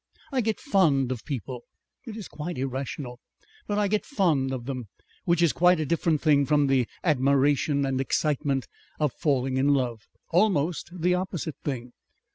"I get fond of people. It is quite irrational, but I get fond of them. Which is quite a different thing from the admiration and excitement of falling in love. Almost the opposite thing.